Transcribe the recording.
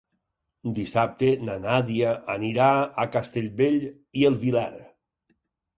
Dissabte na Nàdia anirà a Castellbell i el Vilar.